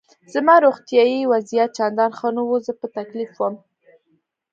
زما روغتیایي وضعیت چندان ښه نه و، زه په تکلیف وم.